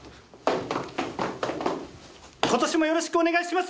今年もよろしくお願いします！